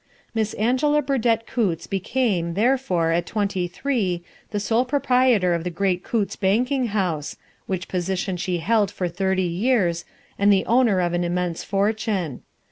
Miss Angela Burdett Coutts became, therefore, at twenty three, the sole proprietor of the great Coutts banking house, which position she held for thirty years, and the owner of an immense fortune.